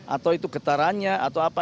atau itu getarannya atau apa